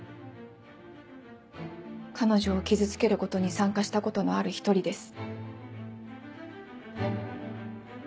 彼女を傷つけることに参加したことのある一人です。